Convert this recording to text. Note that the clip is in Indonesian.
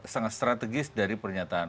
sangat strategis dari pernyataan